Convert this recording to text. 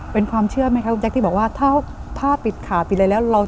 เป็นความเชื่อไหมคะคุณแจ๊คที่บอกว่าถ้าผ้าปิดขาปิดอะไรแล้ว